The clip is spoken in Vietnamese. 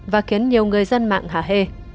và khiến nhiều người dân mạng hả hê